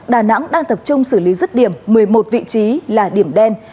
đà nẵng đang tập trung xử lý rứt điểm một mươi một vị trí là điểm đen